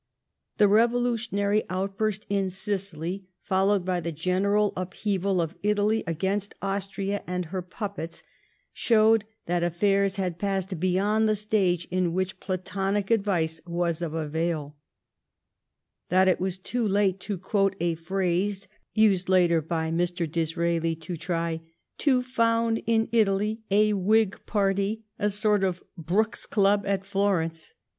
The revolutionary out* burst in Sicily, followed by the general upheaval of Italy against Austria and her puppets, showed that affairs had passed beyond the stage in which platonio advice was of avail; that it was too late, to quote a» phrase used later by Mr. Disraeli, to try *' to found in Italy a Whig party, a sort of Brooks's club at Florence.